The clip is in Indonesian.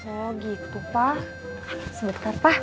oh gitu pak sebentar pak